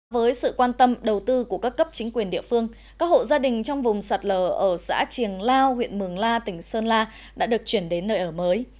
với sự quan tâm đầu tư của các cấp chính quyền địa phương các hộ gia đình trong vùng sạt lờ ở xã triềng lao huyện mường la tỉnh sơn la đã được chuyển đến nơi ở mới